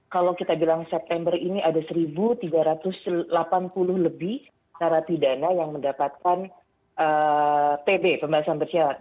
kalau kita bilang september ini ada satu tiga ratus delapan puluh lebih narapidana yang mendapatkan pb pembahasan bersyarat